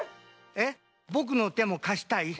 えっぼくの手もかしたい？